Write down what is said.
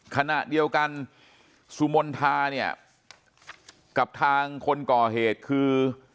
ขณะเดียวกันสุมนทาเนี่ยกับทางคนก่อเหตุคือ